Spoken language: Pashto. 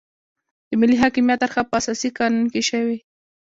د ملي حاکمیت طرحه په اساسي قانون کې شوې.